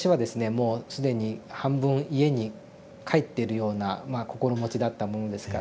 もう既に半分家に帰ってるようなまあ心持ちだったものですからですね